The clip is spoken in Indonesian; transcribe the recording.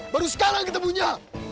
baru sekarang ketemunya